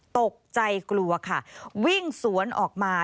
ตกใจกลัวค่ะวิ่งสวนออกมา